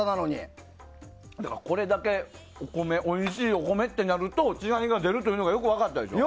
これだけおいしいお米となると違いが出るというのがよく分かったでしょ。